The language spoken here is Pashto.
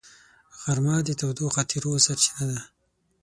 غرمه د تودو خاطرو سرچینه ده